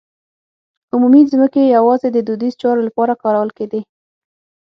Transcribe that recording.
عمومي ځمکې یوازې د دودیزو چارو لپاره کارول کېدې.